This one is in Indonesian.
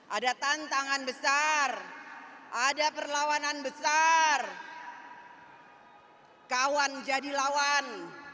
ada tantangan besar ada perlawanan besar kawan jadi lawan